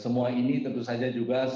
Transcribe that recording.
semua ini tentu saja juga kami progresi